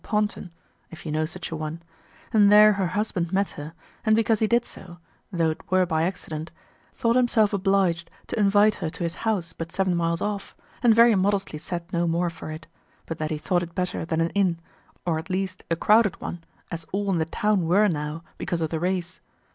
Paunton (if you know such a one), and there her husband met her, and because he did so (though it 'twere by accident) thought himself obliged to invite her to his house but seven miles off, and very modestly said no more for it, but that he thought it better than an Inn, or at least a crowded one as all in the town were now because of the race.